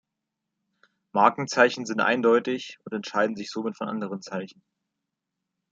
Markenzeichen sind eindeutig und unterscheiden sich somit von anderen Zeichen.